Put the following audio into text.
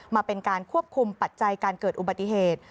มาเป็นการควบคุมปัจจัยการเกิดอุบัติเหตุ